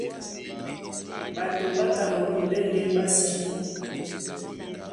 Ɓatoi ɓá Kamerûn ɓá e ndé ɓásíbí.